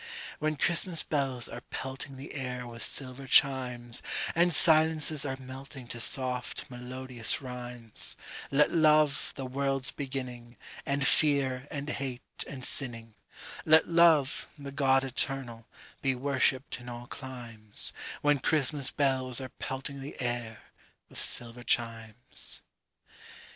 When Christmas bells are pelting the air with silver chimes, And silences are melting to soft, melodious rhymes, Let Love, the world's beginning, End fear and hate and sinning; Let Love, the God Eternal, be worshipped in all climes When Christmas bells are pelting the air with silver chimes.